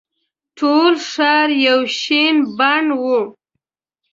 ټول ښار یو شین بڼ وو.